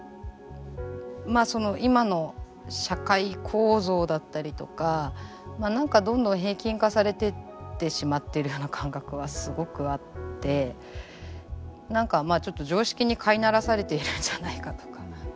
まあその今の社会構造だったりとか何かどんどん平均化されてってしまってるような感覚はすごくあって何かまあちょっと常識に飼いならされているんじゃないかとか。